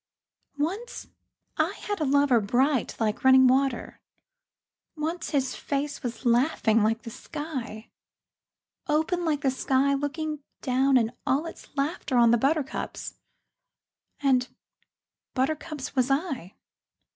Once I had a lover bright like running water, Once his face was laughing like the sky; Open like the sky looking down in all its laughter On the buttercups and buttercups was I.